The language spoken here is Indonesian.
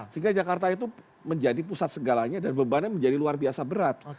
sehingga jakarta itu menjadi pusat segalanya dan bebannya menjadi luar biasa berat